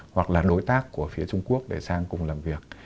hoặc là đối tác của phía trung quốc để sang cùng làm việc